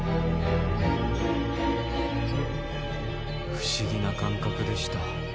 不思議な感覚でした。